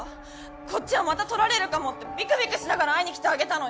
こっちはまた撮られるかもってビクビクしながら会いに来てあげたのに。